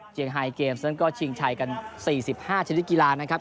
ไฮเกมส์นั้นก็ชิงชัยกัน๔๕ชนิดกีฬานะครับ